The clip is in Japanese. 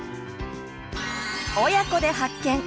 「親子で発見！